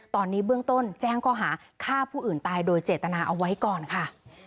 ตอนนี้เบื้องต้นแจ้งข้อหาฆ่าผู้อื่นตายโดยเจตนาเอาไว้ก่อนค่ะ